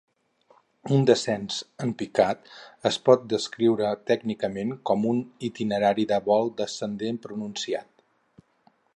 Un descens en picat es pot descriure tècnicament com un "itinerari de vol descendent pronunciat".